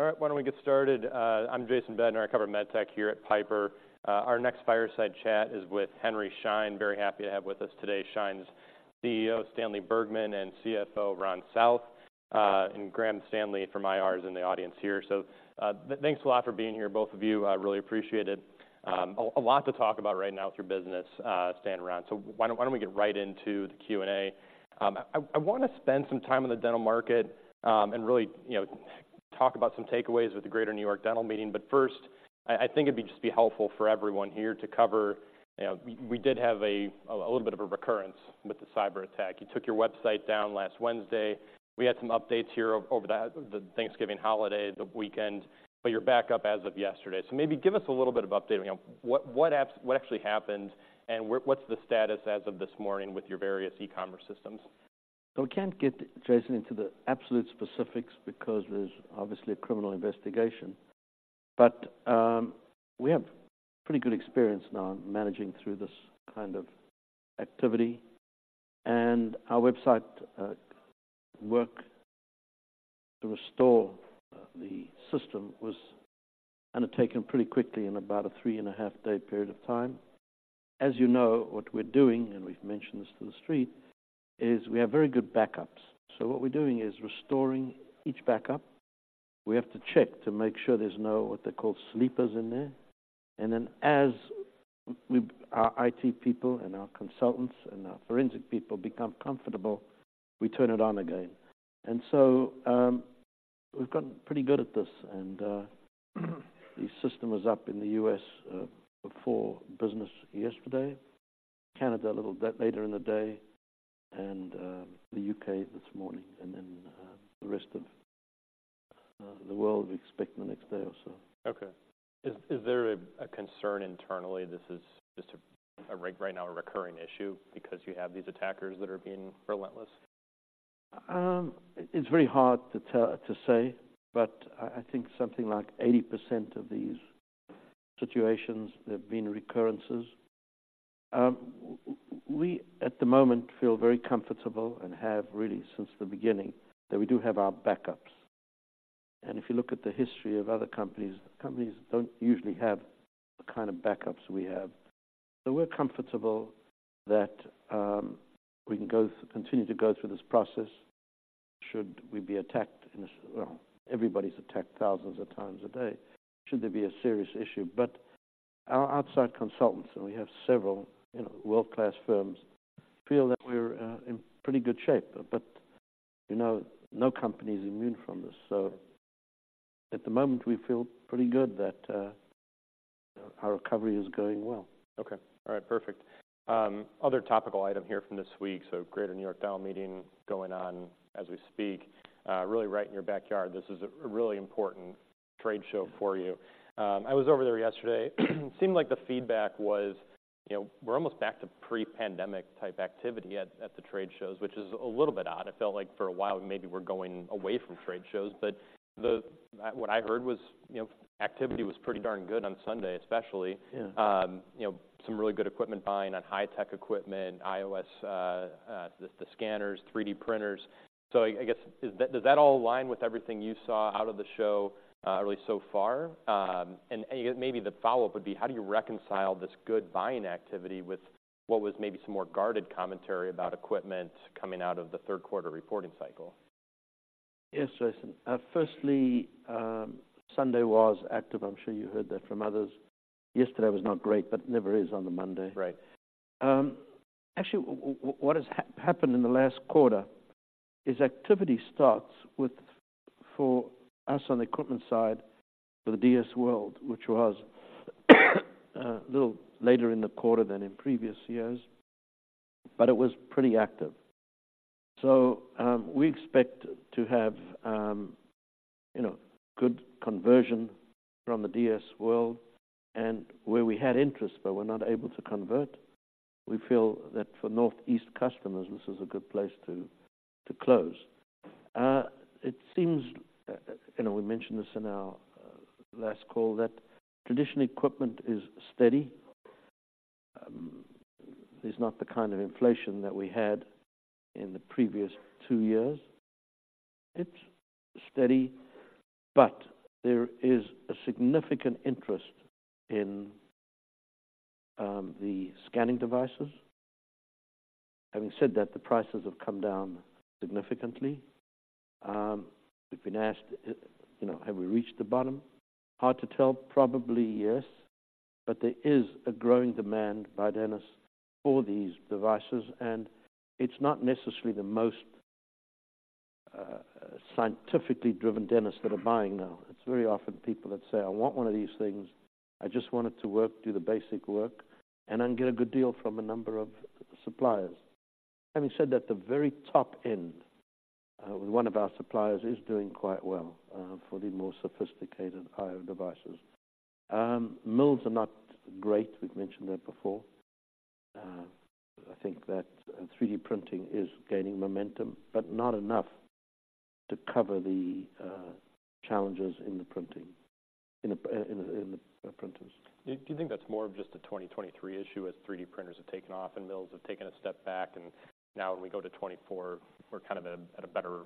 All right, why don't we get started? I'm Jason Bednar. I cover MedTech here at Piper. Our next fireside chat is with Henry Schein. Very happy to have with us today, Schein's CEO, Stanley Bergman, and CFO, Ron South. And Graham Stanley from IR is in the audience here. So, thanks a lot for being here, both of you. I really appreciate it. A lot to talk about right now with your business, Stan and Ron, so why don't we get right into the Q&A? I wanna spend some time on the dental market, and really, you know, talk about some takeaways with the Greater New York Dental Meeting. But first, I think it'd just be helpful for everyone here to cover, you know, we did have a little bit of a recurrence with the cyberattack. You took your website down last Wednesday. We had some updates here over the Thanksgiving holiday weekend, but you're back up as of yesterday. So maybe give us a little bit of updating on what actually happened, and what's the status as of this morning with your various e-commerce systems? So I can't get, Jason, into the absolute specifics because there's obviously a criminal investigation. But, we have pretty good experience now in managing through this kind of activity, and our website work to restore the system was undertaken pretty quickly in about a 3.5-day period of time. As you know, what we're doing, and we've mentioned this to the Street, is we have very good backups. So what we're doing is restoring each backup. We have to check to make sure there's no, what they call, sleepers in there. And then, as we, our IT people and our consultants and our forensic people become comfortable, we turn it on again. And so, we've gotten pretty good at this, and the system was up in the U.S. before business yesterday, Canada a little bit later in the day, and the U.K. this morning, and then the rest of the world we expect in the next day or so. Okay. Is there a concern internally this is just a recurring issue right now because you have these attackers that are being relentless? It's very hard to say, but I think something like 80% of these situations, there have been recurrences. We, at the moment, feel very comfortable and have, really, since the beginning, that we do have our backups. And if you look at the history of other companies, companies don't usually have the kind of backups we have. So we're comfortable that we can continue to go through this process, should we be attacked in a... Well, everybody's attacked thousands of times a day, should there be a serious issue. But our outside consultants, and we have several, you know, world-class firms, feel that we're in pretty good shape. But, you know, no company is immune from this. So at the moment, we feel pretty good that our recovery is going well. Okay. All right, perfect. Other topical item here from this week, so Greater New York Dental Meeting going on as we speak, really right in your backyard. This is a really important trade show for you. I was over there yesterday. Seemed like the feedback was, you know, we're almost back to pre-pandemic-type activity at the trade shows, which is a little bit odd. It felt like for a while, maybe we're going away from trade shows, but what I heard was, you know, activity was pretty darn good on Sunday, especially. Yeah. You know, some really good equipment buying on high tech equipment, IOS, the scanners, 3D printers. So I guess, is that—does that all align with everything you saw out of the show, really so far? And maybe the follow-up would be: How do you reconcile this good buying activity with what was maybe some more guarded commentary about equipment coming out of the third quarter reporting cycle? Yes, Jason. Firstly, Sunday was active. I'm sure you heard that from others. Yesterday was not great, but never is on a Monday. Right. Actually, what has happened in the last quarter is activity starts with, for us on the equipment side, for the DS World, which was a little later in the quarter than in previous years, but it was pretty active. So, we expect to have, you know, good conversion from the DS World and where we had interest, but were not able to convert. We feel that for Northeast customers, this is a good place to close. It seems, you know, we mentioned this in our last call, that traditional equipment is steady. It's not the kind of inflation that we had in the previous two years. It's steady, but there is a significant interest in the scanning devices. Having said that, the prices have come down significantly. We've been asked, you know, have we reached the bottom? Hard to tell. Probably yes, but there is a growing demand by dentists for these devices, and it's not necessarily the most scientifically driven dentists that are buying now. It's very often people that say, "I want one of these things. I just want it to work, do the basic work, and I can get a good deal from a number of suppliers." Having said that, the very top end, one of our suppliers is doing quite well for the more sophisticated IOS devices. Mills are not great. We've mentioned that before. I think that 3D printing is gaining momentum, but not enough to cover the challenges in the printers. Do you think that's more of just a 2023 issue, as 3D printers have taken off and mills have taken a step back, and now when we go to 2024, we're kind of at a, at a better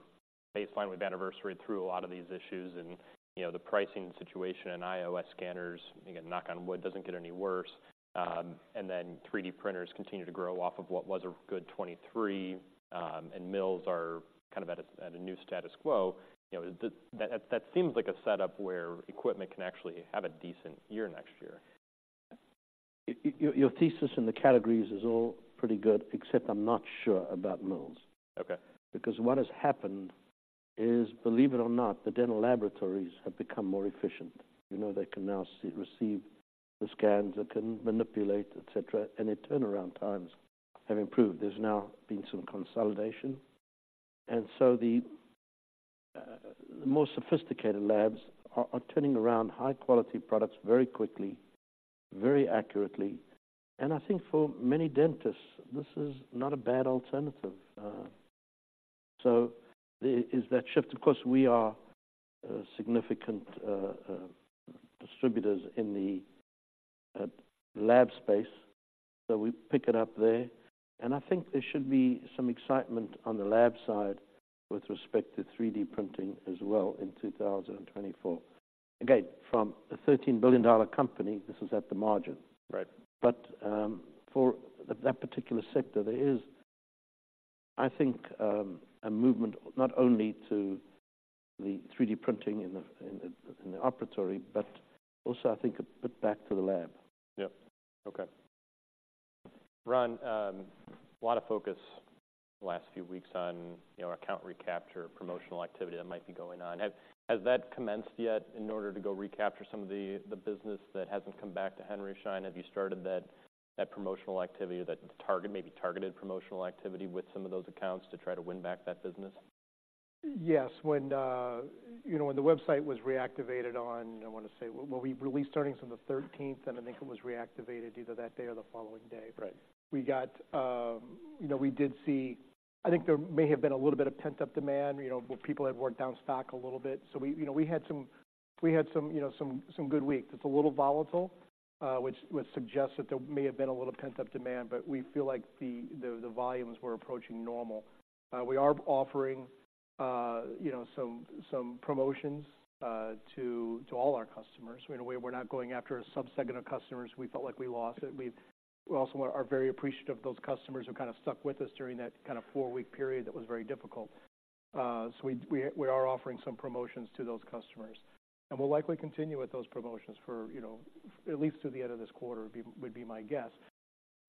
baseline? We've anniversaried through a lot of these issues and, you know, the pricing situation and IOS scanners, again, knock on wood, doesn't get any worse. And then 3D printers continue to grow off of what was a good 2023, and mills are kind of at a, at a new status quo. You know, that, that seems like a setup where equipment can actually have a decent year next year. Your thesis in the categories is all pretty good, except I'm not sure about mills. Okay. Because what has happened is, believe it or not, the dental laboratories have become more efficient. You know, they can now receive the scans, they can manipulate, et cetera, and their turnaround times have improved. There's now been some consolidation, and so the more sophisticated labs are turning around high-quality products very quickly, very accurately. And I think for many dentists, this is not a bad alternative. So there is that shift. Of course, we are significant distributors in the lab space, so we pick it up there. And I think there should be some excitement on the lab side with respect to 3D printing as well in 2024. Again, from a $13 billion company, this is at the margin. Right. But, for that particular sector, there is, I think, a movement not only to the 3D printing in the operatory, but also I think a bit back to the lab. Yep. Okay. Ron, a lot of focus the last few weeks on, you know, account recapture, promotional activity that might be going on. Has that commenced yet in order to go recapture some of the business that hasn't come back to Henry Schein? Have you started that promotional activity, that targeted promotional activity with some of those accounts to try to win back that business? Yes. When, you know, when the website was reactivated on... I want to say, well, we released earnings on the thirteenth, and I think it was reactivated either that day or the following day. Right. We got, you know, we did see. I think there may have been a little bit of pent-up demand, you know, where people had worked down stock a little bit. So we, you know, we had some good weeks. It's a little volatile, which suggests that there may have been a little pent-up demand, but we feel like the volumes were approaching normal. We are offering, you know, some promotions to all our customers. We're not going after a subsegment of customers we felt like we lost. We also are very appreciative of those customers who kind of stuck with us during that kind of four-week period that was very difficult. So we are offering some promotions to those customers, and we'll likely continue with those promotions for, you know, at least through the end of this quarter, would be my guess.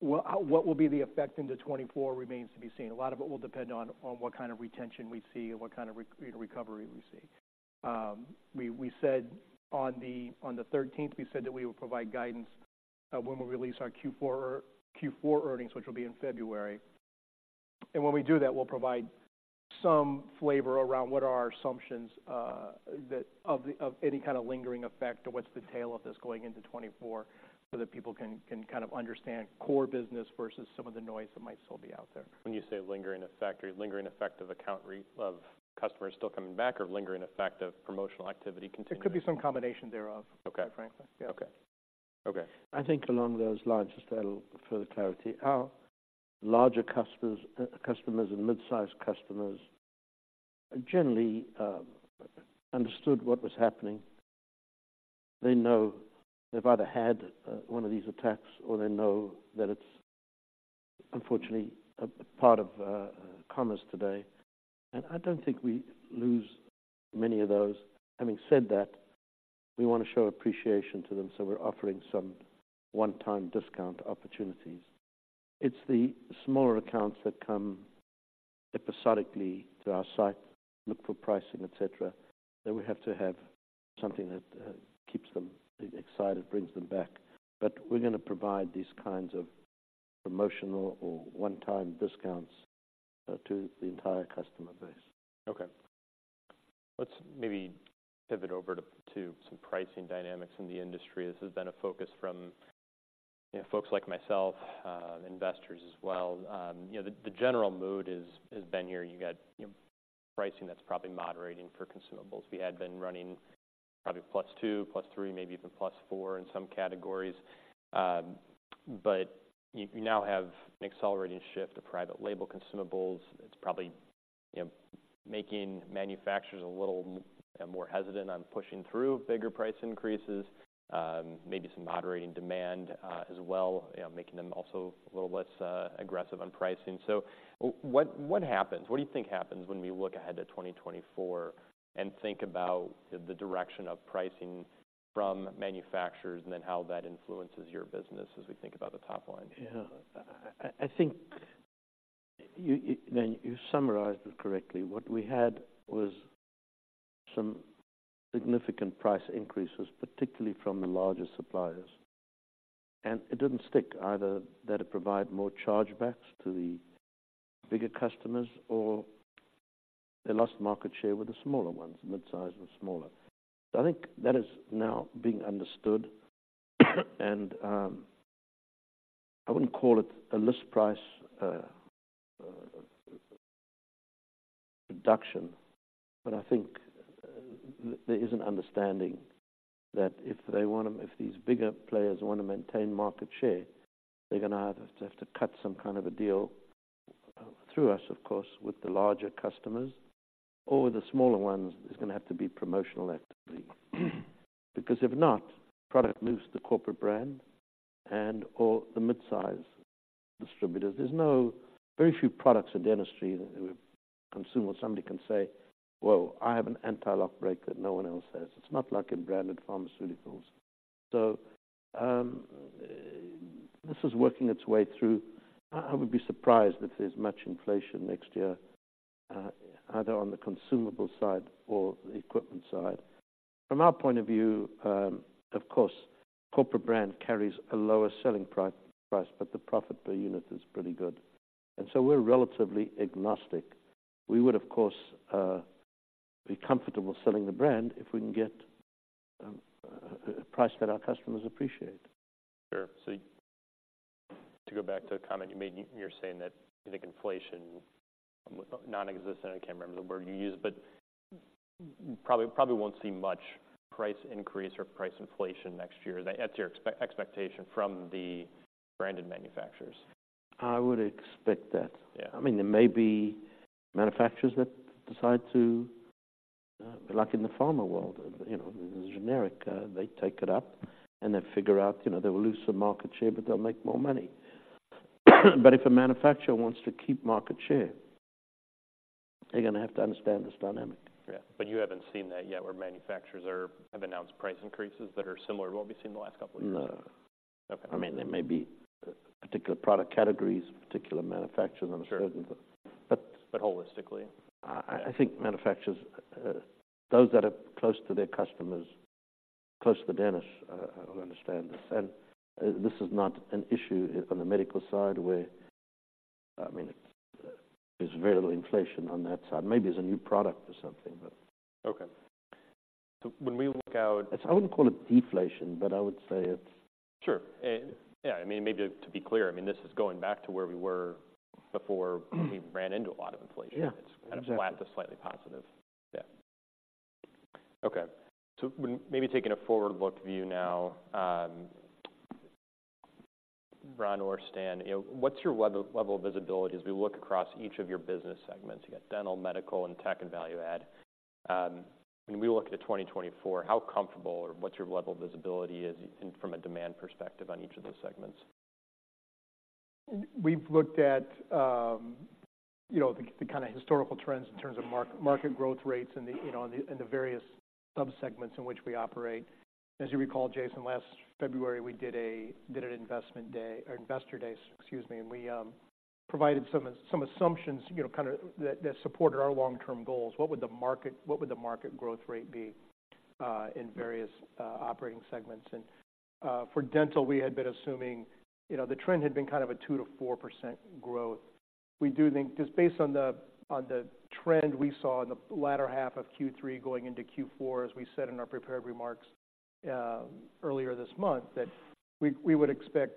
Well, what will be the effect into 2024 remains to be seen. A lot of it will depend on what kind of retention we see and what kind of recovery we see. We said on the thirteenth, we said that we would provide guidance when we release our Q4 earnings, which will be in February. And when we do that, we'll provide some flavor around what are our assumptions that of the... of any kind of lingering effect or what's the tail of this going into 2024, so that people can kind of understand core business versus some of the noise that might still be out there. When you say lingering effect, are you of accounts receivable of customers still coming back or lingering effect of promotional activity continuing? It could be some combination thereof- Okay. -frankly. Okay. Okay. I think along those lines, just add a little further clarity, our larger customers, customers and mid-sized customers generally understood what was happening. They know they've either had one of these attacks or they know that it's unfortunately a part of commerce today, and I don't think we lose many of those. Having said that, we want to show appreciation to them, so we're offering some one-time discount opportunities. It's the smaller accounts that come episodically to our site, look for pricing, et cetera, that we have to have something that keeps them excited, brings them back. But we're going to provide these kinds of promotional or one-time discounts to the entire customer base. Okay. Let's maybe pivot over to some pricing dynamics in the industry. This has been a focus from, you know, folks like myself, investors as well. You know, the general mood has been here. You got, you know, pricing that's probably moderating for consumables. We had been running probably +2, +3, maybe even +4 in some categories. But you now have an accelerating shift to private label consumables. It's probably, you know, making manufacturers a little more hesitant on pushing through bigger price increases, maybe some moderating demand, as well, you know, making them also a little less aggressive on pricing. So what happens? What do you think happens when we look ahead to 2024 and think about the direction of pricing from manufacturers and then how that influences your business as we think about the top line? Yeah. I think you summarized it correctly. What we had was some significant price increases, particularly from the larger suppliers, and it didn't stick. Either they had to provide more chargebacks to the bigger customers, or they lost market share with the smaller ones, midsize and smaller. I think that is now being understood, and I wouldn't call it a list price production. But I think there is an understanding that if they want to if these bigger players want to maintain market share, they're going to either have to cut some kind of a deal through us, of course, with the larger customers or the smaller ones, it's going to have to be promotional activity. Because if not, product moves to the corporate brand and/or the mid-size distributors. There are very few products in dentistry that we've consumed, where somebody can say, "Well, I have an anti-lock brake that no one else has." It's not like in branded pharmaceuticals. So, this is working its way through. I would be surprised if there's much inflation next year, either on the consumable side or the equipment side. From our point of view, of course, corporate brand carries a lower selling price, but the profit per unit is pretty good, and so we're relatively agnostic. We would, of course, be comfortable selling the brand if we can get a price that our customers appreciate. Sure. So to go back to a comment you made, you're saying that you think inflation nonexistent. I can't remember the word you used, but probably, probably won't see much price increase or price inflation next year. That's your expectation from the branded manufacturers? I would expect that. Yeah. I mean, there may be manufacturers that decide to, like in the pharma world, you know, the generic, they take it up, and they figure out, you know, they will lose some market share, but they'll make more money. But if a manufacturer wants to keep market share, they're going to have to understand this dynamic. Yeah, but you haven't seen that yet, where manufacturers have announced price increases that are similar to what we've seen in the last couple of years? No. Okay. I mean, there may be particular product categories, particular manufacturers, I'm certain. Sure. But- But holistically. I think manufacturers, those that are close to their customers, close to the dentist, will understand this. This is not an issue on the medical side, where, I mean, it's, there's very little inflation on that side. Maybe it's a new product or something, but- Okay. So when we look out- I wouldn't call it deflation, but I would say it's- Sure. Yeah, I mean, maybe to be clear, I mean, this is going back to where we were before- Mm-hmm... we ran into a lot of inflation. Yeah, exactly. It's kind of flat to slightly positive. Yeah. Okay, so when maybe taking a forward-look view now, Ron or Stan, you know, what's your level of visibility as we look across each of your business segments? You got dental, medical, and tech and value add. When we look at 2024, how comfortable or what's your level of visibility as in from a demand perspective on each of those segments? We've looked at, you know, the kind of historical trends in terms of market growth rates and the, you know, and the various subsegments in which we operate. As you recall, Jason, last February, we did an investment day, or investor day, excuse me, and we provided some assumptions, you know, kind of that supported our long-term goals. What would the market growth rate be in various operating segments? For dental, we had been assuming, you know, the trend had been kind of a 2%-4% growth. We do think just based on the trend we saw in the latter half of Q3 going into Q4, as we said in our prepared remarks earlier this month, that we would expect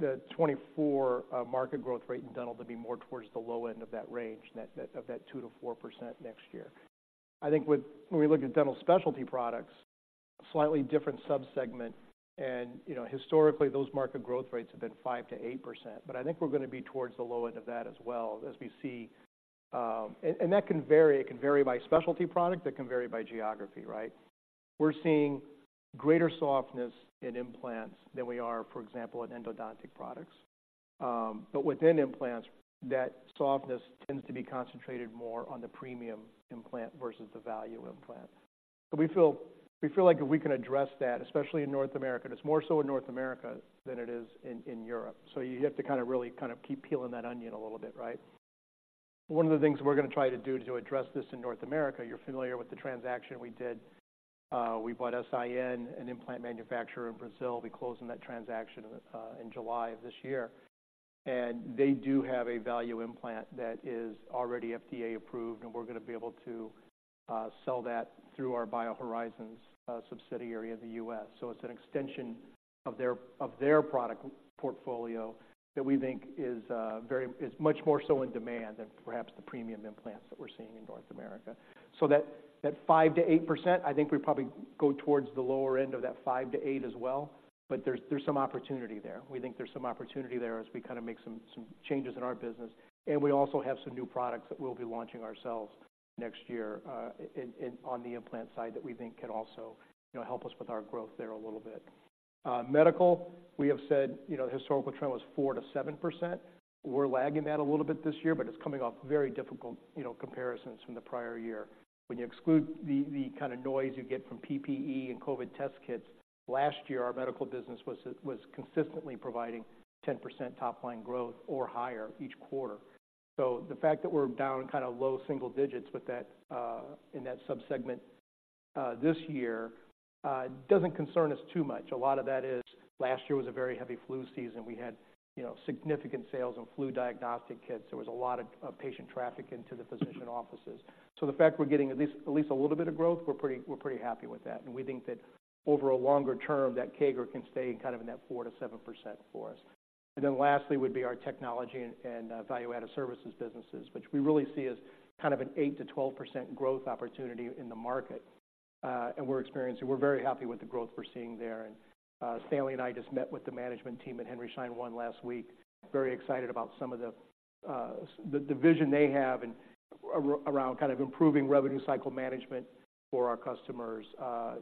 the 2024 market growth rate in dental to be more towards the low end of that range of that 2%-4% next year. I think when we look at dental specialty products, slightly different subsegment and, you know, historically, those market growth rates have been 5%-8%, but I think we're going to be towards the low end of that as well as we see, that can vary. It can vary by specialty product. It can vary by geography, right? We're seeing greater softness in implants than we are, for example, in endodontic products. But within implants, that softness tends to be concentrated more on the premium implant versus the value implant. So we feel, we feel like we can address that, especially in North America. It's more so in North America than it is in Europe. So you have to kind of really kind of keep peeling that onion a little bit, right? One of the things we're going to try to do to address this in North America, you're familiar with the transaction we did. We bought S.I.N., an implant manufacturer in Brazil. We closed on that transaction in July of this year, and they do have a value implant that is already FDA approved, and we're going to be able to sell that through our BioHorizons subsidiary in the U.S. So it's an extension of their product portfolio that we think is very much more so in demand than perhaps the premium implants that we're seeing in North America. So that 5%-8%, I think we probably go towards the lower end of that 5%-8% as well, but there's some opportunity there. We think there's some opportunity there as we kind of make some changes in our business, and we also have some new products that we'll be launching ourselves next year in on the implant side, that we think can also, you know, help us with our growth there a little bit. Medical, we have said, you know, the historical trend was 4%-7%. We're lagging that a little bit this year, but it's coming off very difficult, you know, comparisons from the prior year. When you exclude the kind of noise you get from PPE and COVID test kits, last year, our medical business was consistently providing 10% top-line growth or higher each quarter. So the fact that we're down kind of low single digits with that in that subsegment this year doesn't concern us too much. A lot of that is last year was a very heavy flu season. We had, you know, significant sales in flu diagnostic kits. There was a lot of patient traffic into the physician offices. So the fact we're getting at least a little bit of growth, we're pretty happy with that, and we think that over a longer term, that CAGR can stay kind of in that 4%-7% for us. And then lastly would be our technology and value-added services businesses, which we really see as kind of an 8%-12% growth opportunity in the market. And we're experiencing. We're very happy with the growth we're seeing there. And Stanley and I just met with the management team at Henry Schein One last week. Very excited about some of the division they have and around kind of improving revenue cycle management for our customers.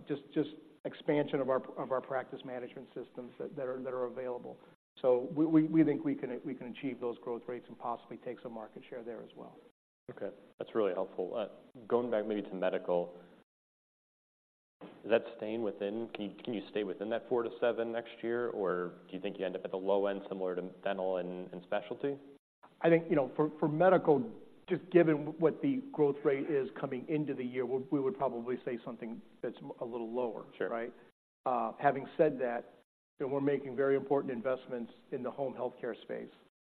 Just expansion of our practice management systems that are available. We think we can achieve those growth rates and possibly take some market share there as well. Okay, that's really helpful. Going back maybe to medical, is that staying within four to seven next year? Can you, can you stay within that four to seven next year? Or do you think you end up at the low end, similar to dental and, and specialty? I think, you know, for medical, just given what the growth rate is coming into the year, we would probably say something that's a little lower. Sure. Right? Having said that, you know, we're making very important investments in the home healthcare space.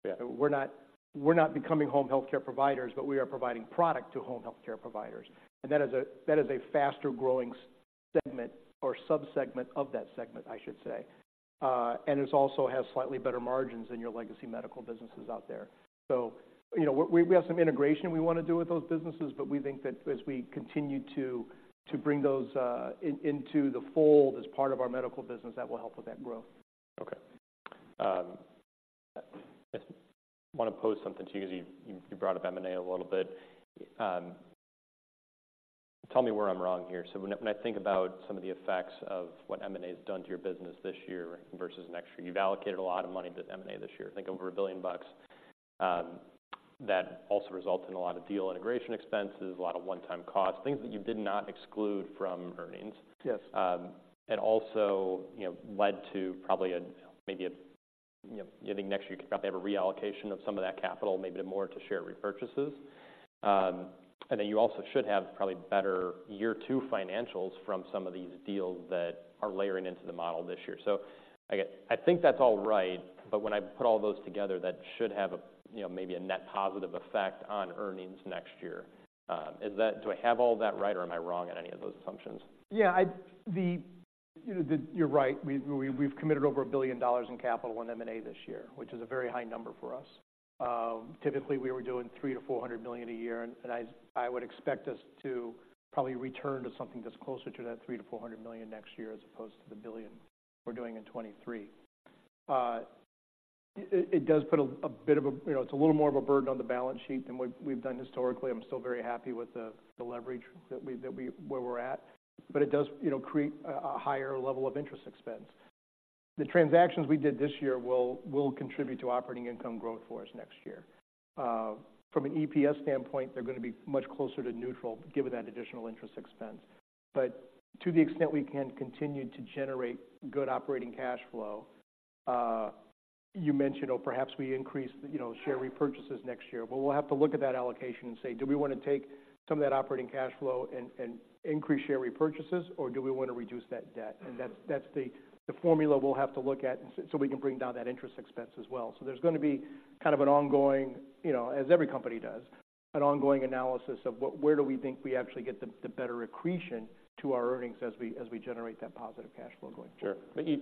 Yeah. We're not, we're not becoming home healthcare providers, but we are providing product to home healthcare providers. And that is a, that is a faster-growing segment or sub-segment of that segment, I should say. And it's also has slightly better margins than your legacy medical businesses out there. So, you know, we, we have some integration we wanna do with those businesses, but we think that as we continue to, to bring those, into the fold as part of our medical business, that will help with that growth. Okay. I wanna pose something to you because you brought up M&A a little bit. Tell me where I'm wrong here. So when I think about some of the effects of what M&A has done to your business this year versus next year, you've allocated a lot of money to M&A this year. I think over $1 billion. That also results in a lot of deal integration expenses, a lot of one-time costs, things that you did not exclude from earnings. Yes. And also, you know, led to probably a, maybe a, you know, you think next year you could probably have a reallocation of some of that capital, maybe more to share repurchases. And then you also should have probably better year two financials from some of these deals that are layering into the model this year. So I get... I think that's all right, but when I put all those together, that should have a, you know, maybe a net positive effect on earnings next year. Is that - do I have all that right, or am I wrong on any of those assumptions? Yeah, you're right. We've committed over $1 billion in capital on M&A this year, which is a very high number for us. Typically, we were doing $300 million-$400 million a year, and I would expect us to probably return to something that's closer to that $300 million-$400 million next year, as opposed to the $1 billion we're doing in 2023. It does put a bit of a, you know, it's a little more of a burden on the balance sheet than what we've done historically. I'm still very happy with the leverage that we're at, but it does, you know, create a higher level of interest expense. The transactions we did this year will contribute to operating income growth for us next year. From an EPS standpoint, they're gonna be much closer to neutral, given that additional interest expense. But to the extent we can continue to generate good operating cash flow, you mentioned or perhaps we increase, you know, share repurchases next year. But we'll have to look at that allocation and say: Do we wanna take some of that operating cash flow and increase share repurchases, or do we want to reduce that debt? And that's the formula we'll have to look at so we can bring down that interest expense as well. So there's gonna be kind of an ongoing, you know, as every company does, an ongoing analysis of where do we think we actually get the better accretion to our earnings as we generate that positive cash flow going forward. Sure. But you,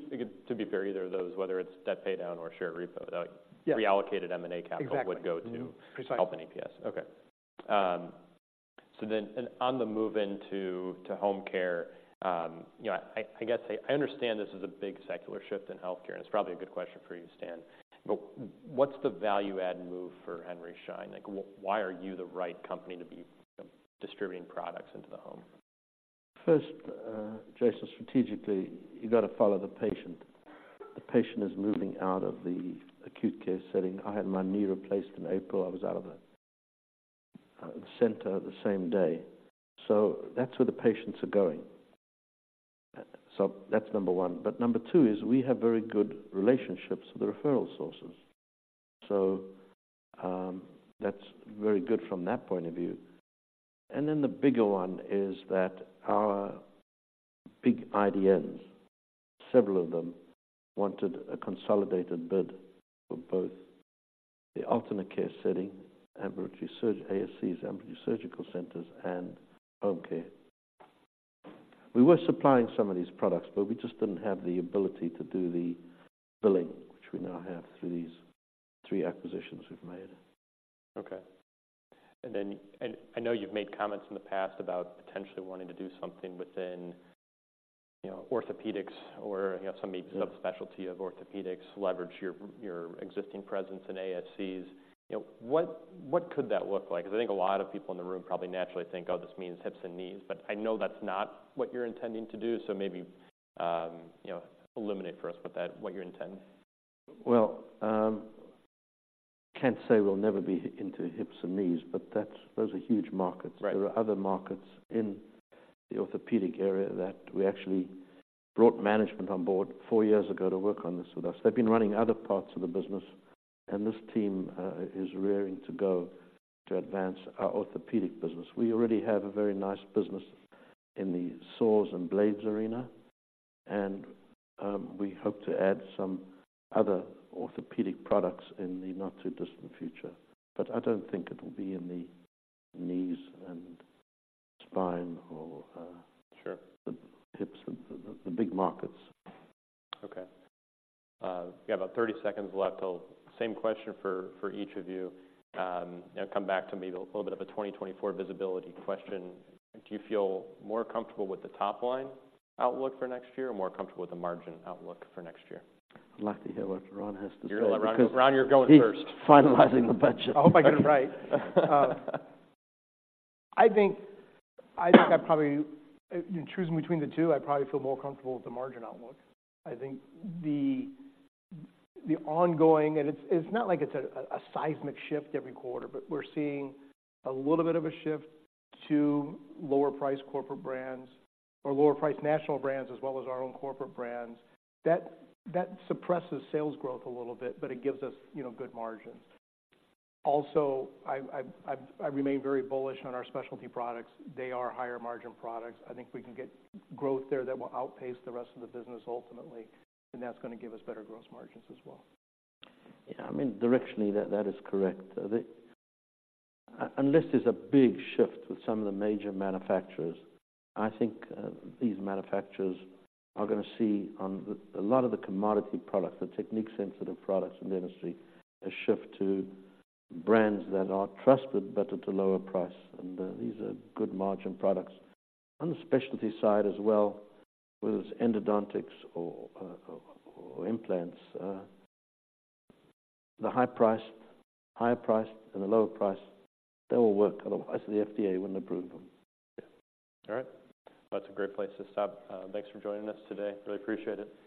to be fair, either of those, whether it's debt paydown or share repo, like- Yeah. reallocated M&A capital Exactly. would go to Mm-hmm. Precisely. Okay. So then on the move into home care, you know, I guess I understand this is a big secular shift in healthcare, and it's probably a good question for you, Stan. But what's the value-add move for Henry Schein? Like, why are you the right company to be distributing products into the home? First, Jason, strategically, you've got to follow the patient. The patient is moving out of the acute care setting. I had my knee replaced in April. I was out of the center the same day. So that's where the patients are going. So that's number one, but number two is we have very good relationships with the referral sources. So, that's very good from that point of view. And then the bigger one is that our big IDNs, several of them, wanted a consolidated bid for both the alternate care setting, ambulatory surg- ASCs, ambulatory surgical centers, and home care. We were supplying some of these products, but we just didn't have the ability to do the billing, which we now have through these three acquisitions we've made. Okay. And then, and I know you've made comments in the past about potentially wanting to do something within, you know, orthopedics or, you know, some maybe- Mm-hmm subspecialty of orthopedics, leverage your, your existing presence in ASCs. You know, what, what could that look like? Because I think a lot of people in the room probably naturally think, oh, this means hips and knees, but I know that's not what you're intending to do. So maybe, you know, illuminate for us what that, what you intend. Well, can't say we'll never be into hips and knees, but that's- those are huge markets. Right. There are other markets in the orthopedic area that we actually brought management on board four years ago to work on this with us. They've been running other parts of the business, and this team is raring to go to advance our orthopedic business. We already have a very nice business in the saws and blades arena, and we hope to add some other orthopedic products in the not-too-distant future, but I don't think it will be in the knees and spine or Sure... the hips, the big markets. Okay. We have about 30 seconds left. So same question for, for each of you, and come back to me. A little bit of a 2024 visibility question: Do you feel more comfortable with the top line outlook for next year, or more comfortable with the margin outlook for next year? I'd like to hear what Ron has to say. You're... Ron, Ron, you're going first. He's finalizing the budget. I hope I get it right. I think I probably feel more comfortable with the margin outlook. I think the ongoing... It's not like it's a seismic shift every quarter, but we're seeing a little bit of a shift to lower-priced corporate brands or lower-priced national brands, as well as our own corporate brands. That suppresses sales growth a little bit, but it gives us, you know, good margins. Also, I remain very bullish on our specialty products. They are higher-margin products. I think we can get growth there that will outpace the rest of the business ultimately, and that's gonna give us better gross margins as well. Yeah, I mean, directionally, that is correct. The, unless there's a big shift with some of the major manufacturers, I think, these manufacturers are gonna see on the, a lot of the commodity products, the technique-sensitive products in the industry, a shift to brands that are trusted but at a lower price, and, these are good margin products. On the specialty side as well, whether it's endodontics or, or implants, the high price, higher price and the lower price, they will work. Otherwise, the FDA wouldn't approve them. All right. That's a great place to stop. Thanks for joining us today. Really appreciate it.